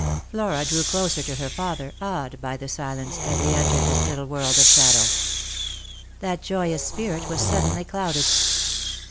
Flora drew closer to her father, awed by the silence, as they entered this little world of shadow. That joyous spirit was suddenly clouded.